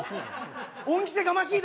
恩着せがましいだろ？